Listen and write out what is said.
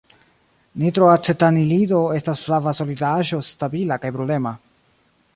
Nitroacetanilido estas flava solidaĵo stabila kaj brulema.